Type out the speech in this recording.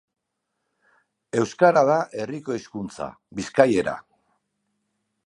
Euskara da herriko hizkuntza, bizkaiera.